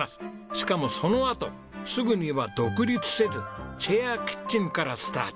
しかもそのあとすぐには独立せずシェアキッチンからスタート。